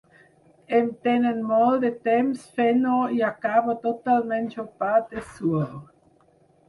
Em tenen molt de temps fent-ho i acabo totalment xopat de suor.